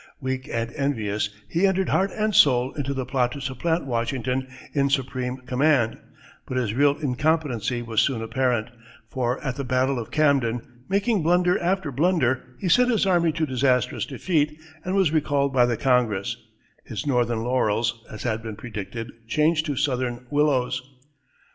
Weak and envious, he entered heart and soul into the plot to supplant Washington in supreme command; but his real incompetency was soon apparent, for, at the battle of Camden, making blunder after blunder, he sent his army to disastrous defeat, and was recalled by the Congress, his northern laurels, as had been predicted, changed to southern willows.